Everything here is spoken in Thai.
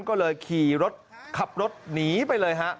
ก็เลยขี่รถขับรถหนีไปเลยฮะ